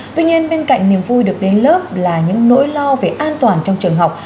tuy nhiên bên cạnh niềm vui được đến lớp là những nỗi lo về an toàn trong trường học